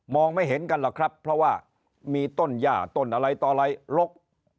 ไม่เห็นกันหรอกครับเพราะว่ามีต้นย่าต้นอะไรต่ออะไรลก